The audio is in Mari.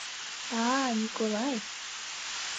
— А-а, Николай!